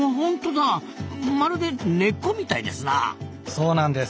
そうなんです。